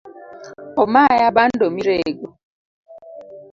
Omaya bando mirego